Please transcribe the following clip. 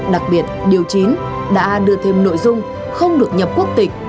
đặc biệt điều chín đã đưa thêm nội dung không được nhập quốc tịch